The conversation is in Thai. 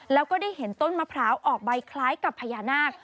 แล้วก็ได้เห็นต้นมะพร้าวออกใบคล้ายกับพญานาค